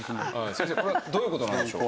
先生これはどういう事なんでしょう？